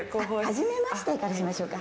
はじめましてからいきましょうか。